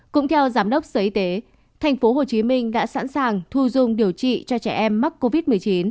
cũng theo giám đốc sở y tế tp hcm đã sẵn sàng thu dung điều trị cho trẻ em mắc covid một mươi chín